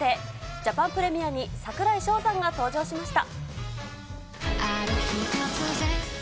ジャパンプレミアに櫻井翔さんが登場しました。